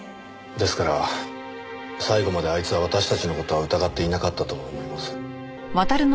ですから最後まであいつは私たちの事は疑っていなかったと思います。